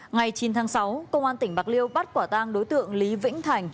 ngày chín tháng sáu công an tỉnh bạc liêu bắt quả tang đối tượng lý vĩnh thành